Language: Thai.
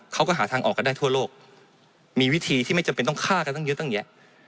เขาก็หาทางออกกันได้ทั่วโลกมีวิธีที่ไม่จำเป็นต้องฆ่ากันตั้งเยอะตั้งแยะ